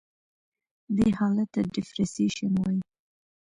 دې حالت ته Depreciation وایي.